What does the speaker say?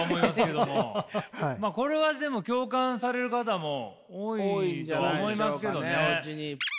これはでも共感される方も多いと思いますけどね。